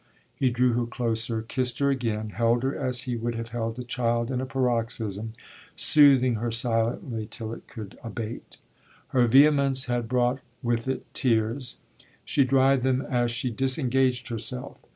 He drew her closer, kissed her again, held her as he would have held a child in a paroxysm, soothing her silently till it could abate. Her vehemence had brought with it tears; she dried them as she disengaged herself.